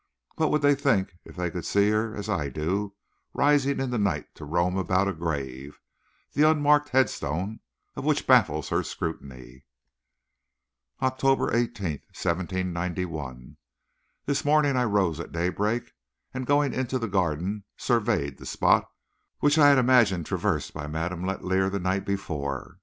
What would they think if they could see her as I do rising in the night to roam about a grave, the unmarked head stone of which baffles her scrutiny? OCTOBER 18, 1791. This morning I rose at daybreak, and going into the garden, surveyed the spot which I had imagined traversed by Madame Letellier the night before.